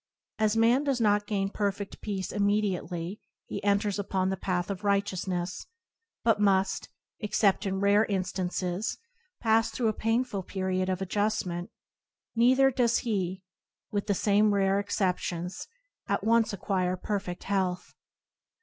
As a man does not gain perfed peace imme diately he enters upon the path of righteous ness, but must, except in rare instances, pass through a painful period of adjustment; neither does he, with the same rare excep tions, at once acquire perfect health.